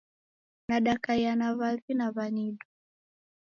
Nadakaiya na w'avi na w'anidu.